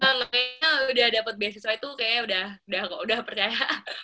nah kayaknya udah dapat beasiswa itu kayaknya udah kok udah percaya